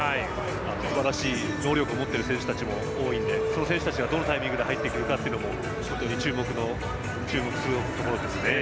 すばらしい能力を持っている選手たちが多いのでその選手たちがどのタイミングで入ってくるかも注目するところですね。